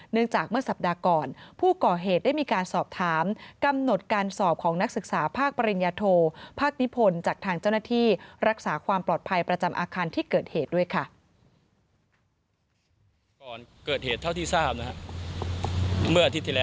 จากเมื่อสัปดาห์ก่อนผู้ก่อเหตุได้มีการสอบถามกำหนดการสอบของนักศึกษาภาคปริญญาโทภาคนิพนธ์จากทางเจ้าหน้าที่รักษาความปลอดภัยประจำอาคารที่เกิดเหตุด้วยค่ะ